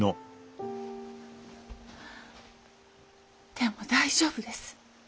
でも大丈夫です。